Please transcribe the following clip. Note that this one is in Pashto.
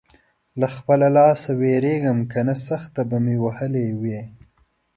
له خپله لاسه وېرېږم؛ که نه سخت به مې وهلی وې.